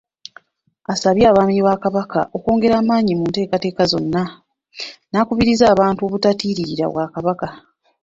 Asabye abaami ba Kabaka okwongera amaanyi mu nteekateeka zonna n’akubiriza abantu obutatiirira Bwakabaka.